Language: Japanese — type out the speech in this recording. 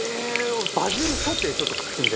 俺バジルソテーちょっと食ってみたいですね。